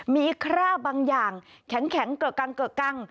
มีอีกคร่าบางอย่างแข็งเกลือกกัง